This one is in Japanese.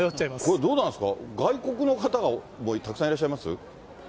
これ、どうなんですか、外国の方はたくさんいらっしゃいます？